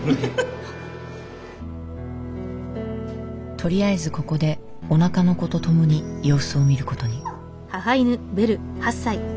とりあえずここでおなかの子とともに様子を見る事に。